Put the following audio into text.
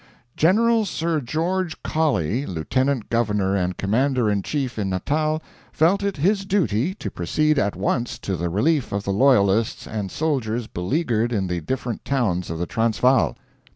"General Sir George Colley, Lieutenant Governor and Commander in Chief in Natal, felt it his duty to proceed at once to the relief of the loyalists and soldiers beleaguered in the different towns of the Transvaal."